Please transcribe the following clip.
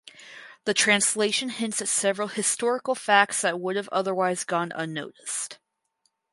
The translation hints at several historical facts that would have otherwise gone unnoticed.